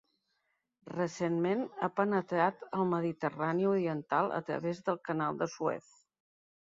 Recentment ha penetrat al Mediterrani Oriental a través del Canal de Suez.